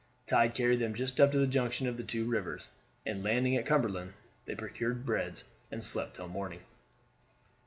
Tide carried them just up to the junction of the two rivers, and landing at Cumberland they procured beds and slept till morning.